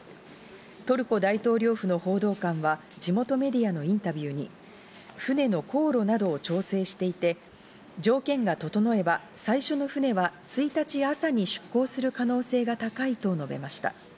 トルコ大統領府の報道官は地元メディアのインタビューに船の航路などを調整していて、条件が整えば最初の船は１日朝に出港する可能性が高いと述べました。